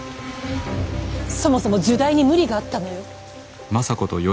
そもそも入内に無理があったのよ。